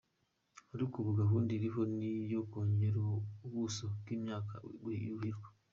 Ariko ubu gahunda iriho ni iyo kongera ubuso bw’imyaka yuhirwa.